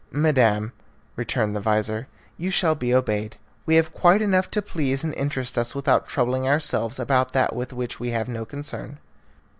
"Madam," returned the vizir, "you shall be obeyed. We have quite enough to please and interest us without troubling ourselves about that with which we have no concern."